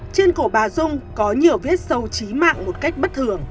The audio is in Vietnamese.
trên cổ bà dung có nhiều vết sâu chí mạng một cách bất thường